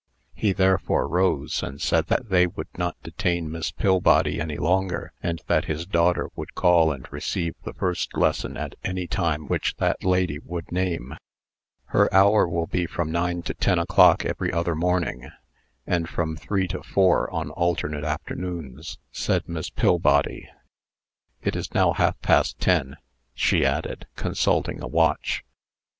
He therefore rose, and said that they would not detain Miss Pillbody any longer, and that his daughter would call and receive the first lesson at any time which that lady would name. "Her hour will be from nine to ten o'clock every other morning, and from three to four on alternate afternoons," said Miss Pillbody. "It is now half past ten," she added, consulting a watch.